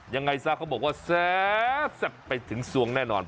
ยังไงซะเขาบอกว่าแซ่บไปถึงสวงแน่นอน